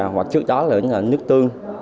hoặc trước đó là nước tương